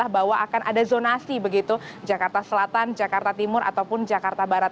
bahwa akan ada zonasi begitu jakarta selatan jakarta timur ataupun jakarta barat